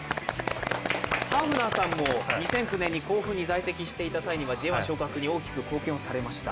ハーフナーさんも２００９年に甲府に在籍された際にはＪ１昇格に大きく貢献をされました。